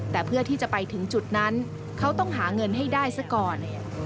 แต่เพื่อที่จะไปถึงจุดนั้นเขาต้องหาเงินให้ได้ซะก่อน